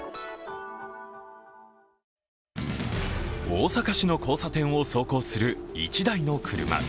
大阪市の交差点を走行する１台の車。